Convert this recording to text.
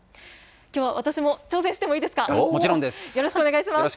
きょうは私も挑戦してもいいですもちろんです。